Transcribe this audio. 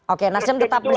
oke nasdem tetap bersama